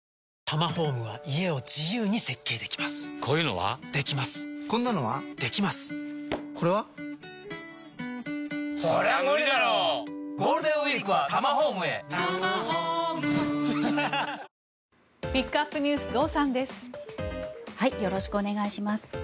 よろしくお願いします。